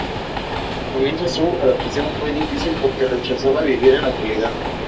Al comienzo su adaptación fue difícil porque rechazaba vivir en la ciudad.